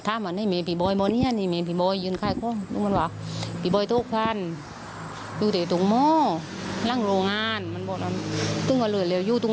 ต้องกระฉายให้หลวดไป